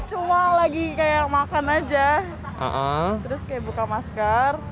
cuma lagi kayak makan aja terus kayak buka masker